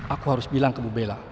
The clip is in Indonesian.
aku harus bilang ke bu bella